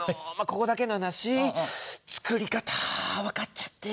ここだけの話作り方わかっちゃって。